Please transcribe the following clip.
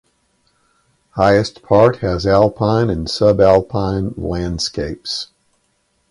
Highest part has alpine and subalpine landscapes.